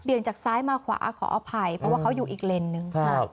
จากซ้ายมาขวาขออภัยเพราะว่าเขาอยู่อีกเลนส์หนึ่งค่ะ